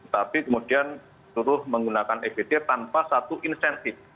tapi kemudian suruh menggunakan ebt tanpa satu insentif